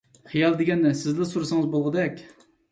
خىيال دېگەننى سىزلا سۈرسىڭىز بولغۇدەك.